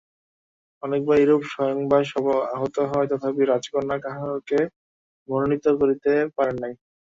অনেকবার এইরূপ স্বয়ংবর-সভা আহূত হয়, তথাপি রাজকন্যা কাহাকেও মনোনীত করিতে পারেন নাই।